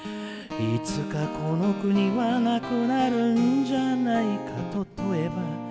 「いつかこの国は無くなるんじゃないかと問えば」